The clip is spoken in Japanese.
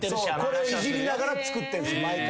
これイジりながら作ってるんです毎回。